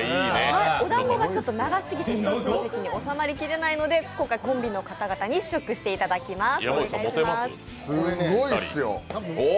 おだんごがちょっと長すぎて１つの席に収まり切らないので、今回、コンビの方々に試食していただきます。